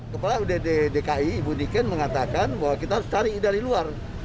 kepala udd dki ibu niken mengatakan bahwa kita harus cari dari luar